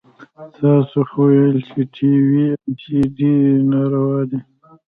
تاسو خو ويل چې ټي وي او سي ډي ناروا دي.